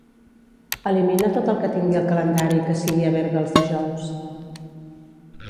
Elimina tot el que tingui al calendari que sigui a Berga els dijous.